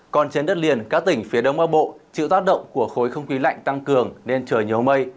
còn trên đất liền các tỉnh phía đông bắc bộ chịu tác động của khối không khí lạnh tăng cường nên trời nhiều mây